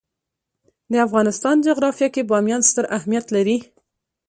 د افغانستان جغرافیه کې بامیان ستر اهمیت لري.